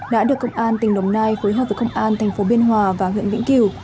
đã được công an tỉnh đồng nai phối hợp với công an thành phố biên hòa và huyện vĩnh kiều